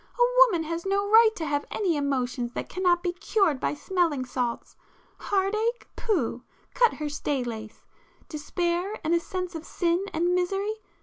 A woman has no right to have any emotions that cannot be cured by smelling salts! Heart ache?—pooh!—cut her stay lace! Despair and a sense of sin and misery?